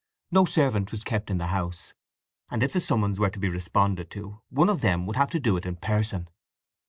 No servant was kept in the house, and if the summons were to be responded to one of them would have to do it in person.